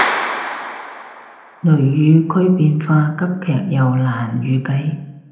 雷雨區變化急劇又難預計